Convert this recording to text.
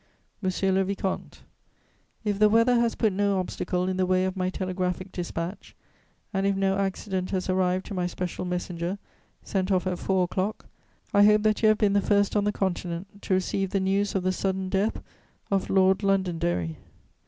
"MONSIEUR LE VICOMTE, "If the weather has put no obstacle in the way of my telegraphic dispatch, and if no accident has arrived to my special messenger, sent off at four o'clock, I hope that you have been the first on the Continent to receive the news of the sudden death of Lord Londonderry.